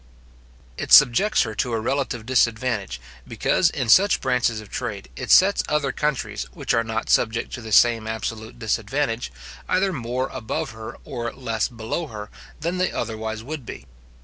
It subjects her to a relative disadvantage; because, in such branches of trade, it sets other countries, which are not subject to the same absolute disadvantage, either more above her or less below her, than they otherwise would be.